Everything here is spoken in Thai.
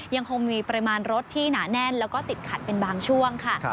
ยังคงมีปริมาณรถที่หนาแน่นแล้วก็ติดขัดเป็นบางช่วงค่ะ